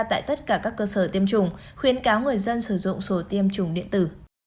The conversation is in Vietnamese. tại tất cả các cơ sở tiêm chủng khuyến cáo người dân sử dụng sổ tiêm chủng điện tử